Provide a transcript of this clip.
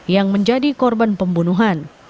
yang menjadi korban pembunuhan